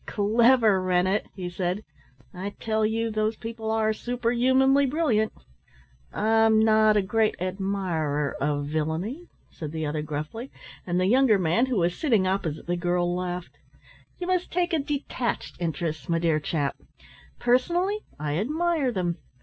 "Clever, Rennett!" he said. "I tell you, those people are super humanly brilliant!" "I'm not a great admirer of villainy," said the other gruffly, and the younger man, who was sitting opposite the girl, laughed. "You must take a detached interest, my dear chap. Personally, I admire them.